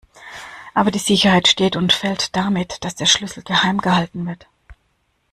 Aber die Sicherheit steht und fällt damit, dass der Schlüssel geheim gehalten wird.